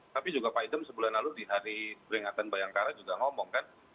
tapi juga pak idam sebulan lalu di hari peringatan bayangkara juga ngomong kan